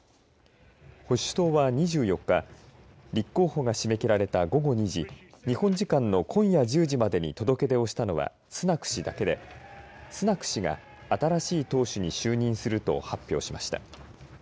保守党は２４日、立候補が締め切られた午後２時、日本時間の今夜１０時までに届け出をしたのはスナク氏だけで、スナク氏が新しい党首に就任すると発表しました。